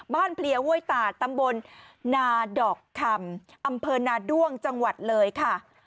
เพลียห้วยตาดตำบลนาดอกคำอำเภอนาด้วงจังหวัดเลยค่ะ